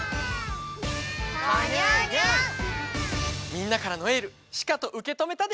みんなからのエールしかとうけとめたである！